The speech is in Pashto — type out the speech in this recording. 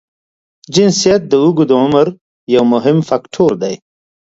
جنسیت د اوږد عمر یو مهم فاکټور دی.